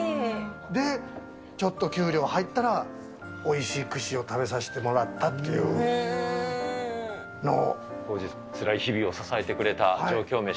で、ちょっと給料入ったらおいしい串を食べさせてもらったっていうの当時、つらい日々を支えてくれた上京メシ。